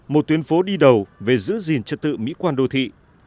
một tuyến phố đi đầu về giữ gìn trật tự mỹ quan đô thị